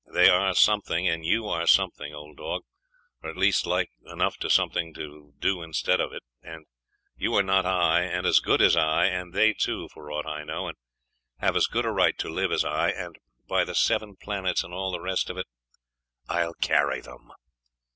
They are something, and you are something, old dog; or at least like enough to something to do instead of it; and you are not I, and as good as I, and they too, for aught I know, and have as good a right to live as I; and by the seven planets and all the rest of it, I'll carry them!